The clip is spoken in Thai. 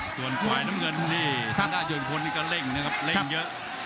ส่วนฝ่ายน้ำเงินนี่ทางด้านยนพลนี่ก็เร่งนะครับเร่งเยอะ